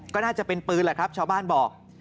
ก็น่าจะเป็นปืนแหละครับชาวบ้านบอก